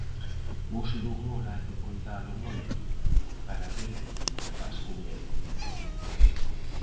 O uso do humor hai que coidalo moito para ver que fas con el.